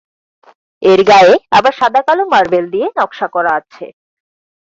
এর গায়ে আবার সাদা কালো মার্বেল দিয়ে নকশা করা আছে।